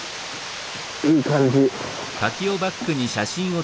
いい感じ。